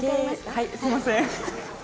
はい、すみません。